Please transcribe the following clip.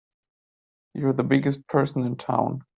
You're the biggest person in town!